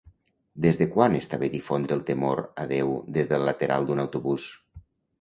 Des de quan està bé difondre el temor a Déu des del lateral d'un autobús?